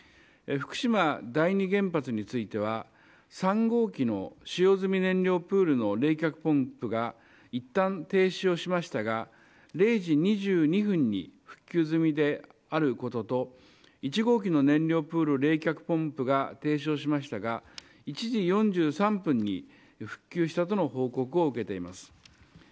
福島第二原発については３号機の使用済み燃料プールの冷却ポンプがいったん停止をしましたが０時２２分に復旧済みであることと１号機の燃料プール冷却ポンプが停止しましたが１時４３分に復旧したとの報告を受けています。